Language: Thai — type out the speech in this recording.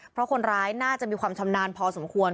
เพราะคนร้ายน่าจะมีความชำนาญพอสมควร